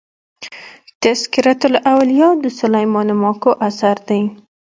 تذکرة الاولياء د سلېمان ماکو اثر دئ.